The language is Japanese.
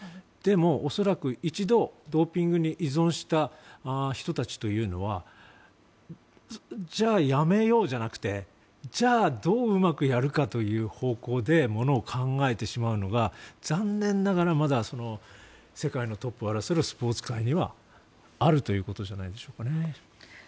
でも、恐らく一度ドーピングに依存した人たちというのはじゃあ、やめようじゃなくてじゃあ、どううまくやるかという方向でものを考えてしまうのが残念ながらまだ世界のトップを争っているスポーツ界にはあるということじゃないでしょうか。